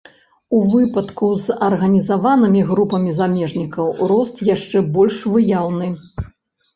У выпадку з арганізаванымі групамі замежнікаў рост яшчэ больш выяўны.